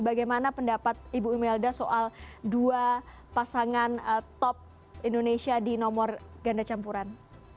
bagaimana pendapat ibu imelda soal dua pasangan top indonesia di nomor ganda campuran